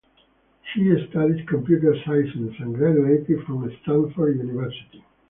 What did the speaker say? She studied computer science and graduated from Stanford University.